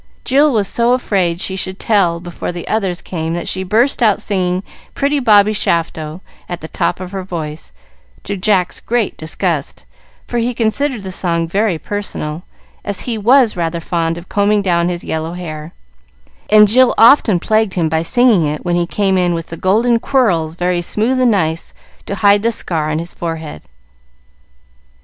Jill was so afraid she should tell before the others came that she burst out singing "Pretty Bobby Shafto" at the top of her voice, to Jack's great disgust, for he considered the song very personal, as he was rather fond of "combing down his yellow hair," and Jill often plagued him by singing it when he came in with the golden quirls very smooth and nice to hide the scar on his forehead.